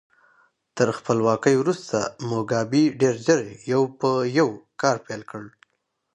تر خپلواکۍ وروسته موګابي ډېر ژر یو په یو کار پیل کړ.